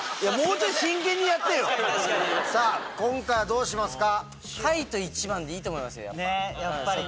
今回はどうしますか？